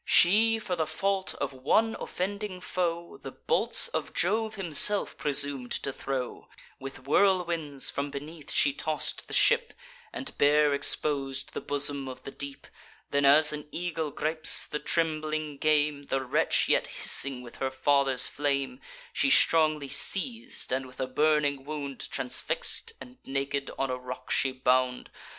She, for the fault of one offending foe, The bolts of Jove himself presum'd to throw: With whirlwinds from beneath she toss'd the ship, And bare expos'd the bosom of the deep; Then, as an eagle gripes the trembling game, The wretch, yet hissing with her father's flame, She strongly seiz'd, and with a burning wound Transfix'd, and naked, on a rock she bound.